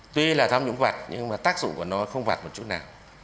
tuy là tham nhũng vặt nhưng mà tác dụng của nó không vặt một chút nào